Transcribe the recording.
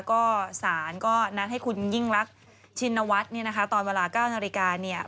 ก็สารก็นัดให้คุณยิ่งรักชินวัฒน์เนี่ยนะคะตอนเวลา๙นาฬิกาเนี่ย